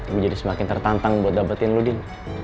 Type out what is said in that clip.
gue jadi semakin tertantang buat dapetin lo din